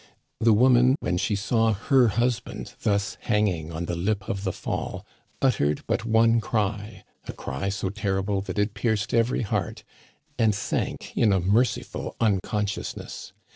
The woman, when she saw her husband thus hanging on the lip of the fall, uttered but one cry, a cry so ter rible that it pierced every heart, and sank in a merciful unconsciousness.